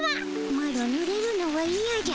マロぬれるのはいやじゃ。